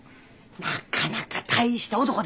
なかなか大した男ですわ！